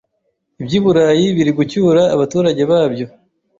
iby'iburayi biri gucyura abaturage babyo